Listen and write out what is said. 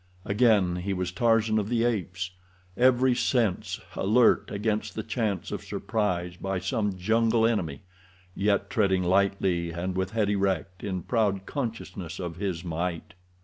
Again he was Tarzan of the Apes—every sense alert against the chance of surprise by some jungle enemy—yet treading lightly and with head erect, in proud consciousness of his might.